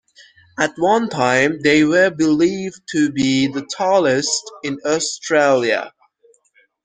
At one time they were believed to be the tallest in Australia.